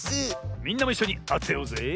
みんなもいっしょにあてようぜえ。